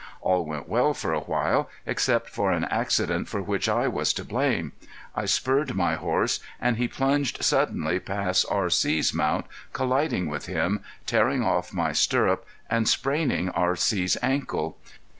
All went well for a while, except for an accident for which I was to blame. I spurred my horse, and he plunged suddenly past R.C.'s mount, colliding with him, tearing off my stirrup, and spraining R.C.'s ankle.